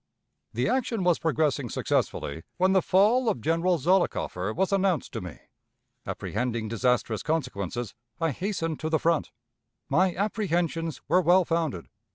"The action was progressing successfully, when the fall of General Zollicoffer was announced to me. Apprehending disastrous consequences, I hastened to the front. My apprehensions were well founded.